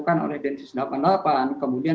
dan juga kita harus memiliki program yang berbeda